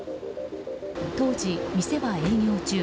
当時、店は営業中。